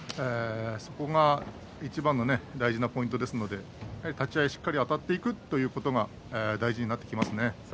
そこがいちばんの大事なポイントですのでやはり立ち合いしっかりあたっていくということが大事になってきますね。